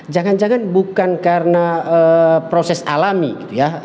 jangan jangan bukan karena proses alami gitu ya